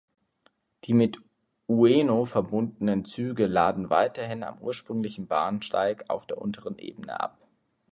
Die mit Ueno verbundenen Züge laden weiterhin am ursprünglichen Bahnsteig auf der unteren Ebene ab.